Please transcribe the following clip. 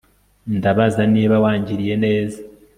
Ndabaza niba wangiriye neza